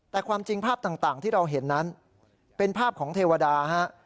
แต่ความจริงภาพต่างที่เราเห็นนั้นเป็นภาพของเทวดาฮะ